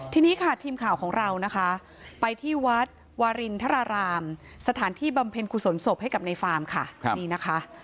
ทีนี้ค่ะทีมข่าวของเรานะคะไปที่วัดวารินทรารามสถานที่บำเพ็ญกุศลศพให้กับในฟาร์มค่ะนี่นะคะ